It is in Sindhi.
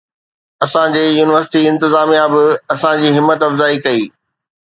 اسان جي يونيورسٽي انتظاميا به اسان جي همت افزائي ڪئي